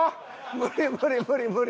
無理無理無理無理！